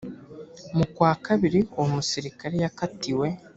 mu kwa kabiri uwo musirikare yakatiwe